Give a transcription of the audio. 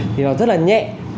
thì nó rất là nhẹ